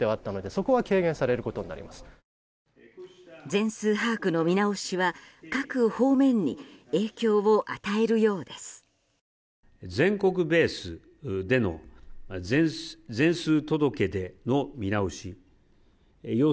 全数把握の見直しは各方面に影響を与えるようです。